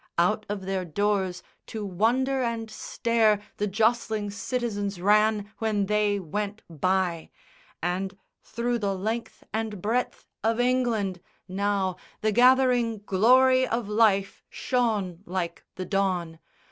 Out of their doors To wonder and stare the jostling citizens ran When They went by; and through the length and breadth Of England, now, the gathering glory of life Shone like the dawn.